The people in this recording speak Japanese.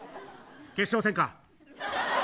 決勝戦か。